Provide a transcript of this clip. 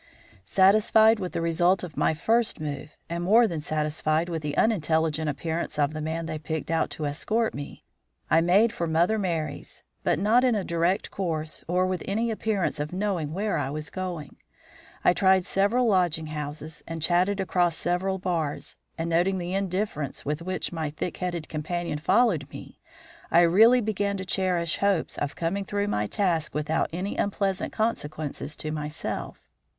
Satisfied with the result of my first move, and more than satisfied with the unintelligent appearance of the man they picked out to escort me, I made for Mother Merry's, but not in a direct course or with any appearance of knowing where I was going. I tried several lodging houses and chatted across several bars, and, noting the indifference with which my thick headed companion followed me, I really began to cherish hopes of coming through my task without any unpleasant consequences to myself.